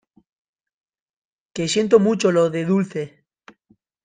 que siento mucho lo de Dulce.